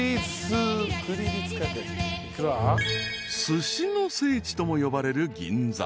［すしの聖地とも呼ばれる銀座］